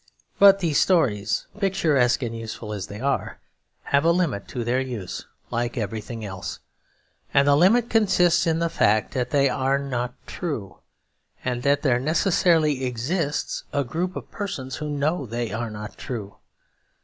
But these stories, picturesque and useful as they are, have a limit to their use like everything else; and the limit consists in the fact that they are not true, and that there necessarily exists a group of persons who know they are not true.